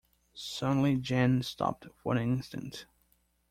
Suddenly Jeanne stopped for an instant.